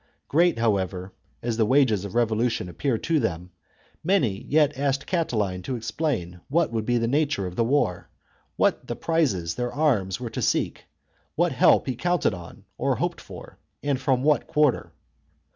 Great, however, as the wages of revolution appeared to them, many yet asked Catiline to explain what would be the nature of the war, what the prizes their arms were to seek, what help he counted on or hoped for, and from what quarter.